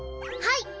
はい！